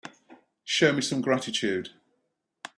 Show me some gratitude.